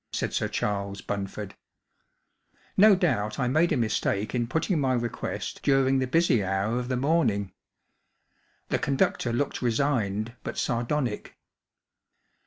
1 ' said Sir Charles Runford, " No doubt I made a mistake in putting my request during the busy hour of the morning. The conductor looked resigned but sardonic.